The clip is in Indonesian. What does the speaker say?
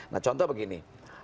nah contoh begini